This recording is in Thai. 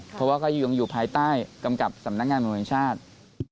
เพราะว่าก็ยังอยู่ภายใต้กำกับสำนักงานบริมินชาติ